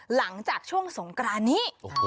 หลังจากช่วงสงกรานนี้